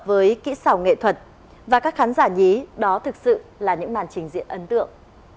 với kỹ xảo nghệ thuật và các khán giả nhí đó thực sự là những màn trình diễn ấn tượng